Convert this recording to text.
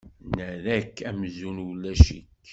Nerra-k amzun ulac-ik.